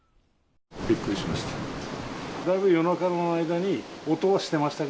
びっくりしました。